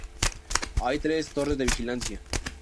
Hay tres torres de vigilancia.